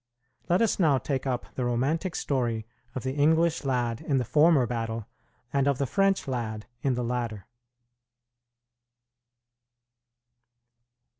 Let us now take up the romantic story of the English lad in the former battle, and of the French lad in the latter.